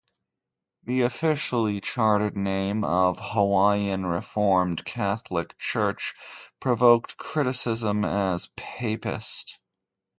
The officially chartered name of "Hawaiian Reformed Catholic Church" provoked criticism as "papist".